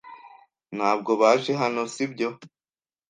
Ntabwo baje hano, si byo?